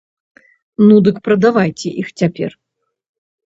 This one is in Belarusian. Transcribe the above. Ну дык прадавайце іх цяпер.